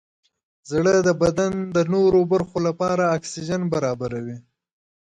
زړه د بدن د نورو برخو لپاره اکسیجن برابروي.